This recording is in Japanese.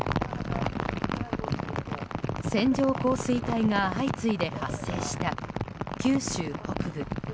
線状降水帯が相次いで発生した九州北部。